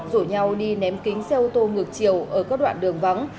rủ nhau đi ném kính xe ô tô ngược chiều ở các đoạn đường vắng